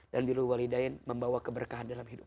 dan berilu walidain membawa keberkahan dalam hidup